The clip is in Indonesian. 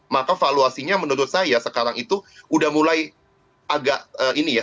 maka valuasinya menurut saya sekarang itu udah mulai agak ini ya